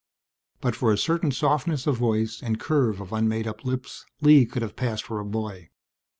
But for a certain softness of voice and curve of unmade up lips, Lee could have passed for a boy.